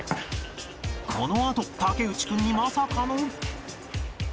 このあと竹内君にまさかの